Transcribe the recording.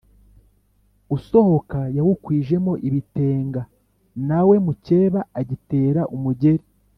usohoka yawukwijemo ibitenga, na we mukeba agitera umugeli,